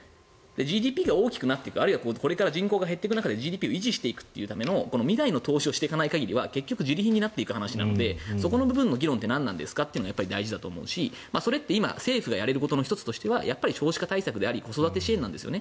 ＧＤＰが大きくなっていくあるいは人口が減っていく中でＧＤＰを維持していくための未来の投資をしない限りはじり貧になっていく話なのでそこの部分の議論ってなんですかという話だと思うしそれって今、政府がやれることの１つは少子化対策であり子育て支援なんですね。